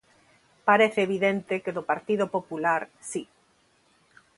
Parece evidente que do Partido Popular si.